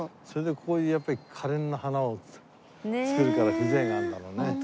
それでこういうやっぱり可憐な花をつけるから風情があるんだろうね。